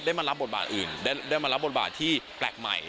มารับบทบาทอื่นได้มารับบทบาทที่แปลกใหม่